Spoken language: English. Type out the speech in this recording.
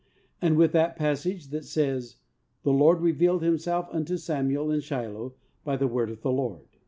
And with that passage that says "The Lord revealed Himself unto Samuel in Shiloh by the word of the Lord?"